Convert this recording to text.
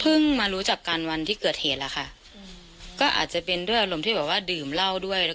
มารู้จักกันวันที่เกิดเหตุแล้วค่ะก็อาจจะเป็นด้วยอารมณ์ที่แบบว่าดื่มเหล้าด้วย